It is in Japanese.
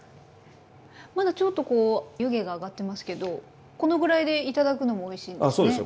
まだちょっとこう湯気が上がってますけどこのぐらいで頂くのもおいしいんですね。